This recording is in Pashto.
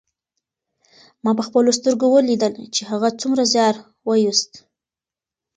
ما په خپلو سترګو ولیدل چې هغه څومره زیار ویوست.